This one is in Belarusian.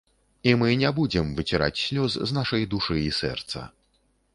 І мы не будзем выціраць слёз з нашай душы і сэрца.